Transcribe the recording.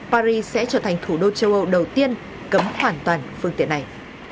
paris sẽ trở thành thủ đô châu âu đầu tiên cấm hoàn toàn phương tiện này